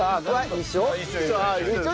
一緒。